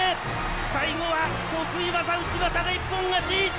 最後は得意技、内股で一本勝ち。